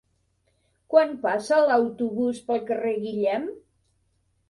Quan passa l'autobús pel carrer Guillem?